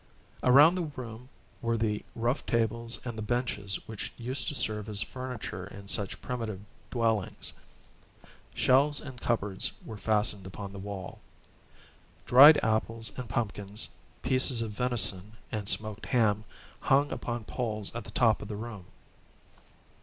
Around the room were the rough tables and the benches which used to serve as furniture in such primitive dwellings. Shelves and cupboards were fastened upon the wall. Dried apples and pumpkins, pieces of venison and smoked ham, hung upon poles at the top of the room.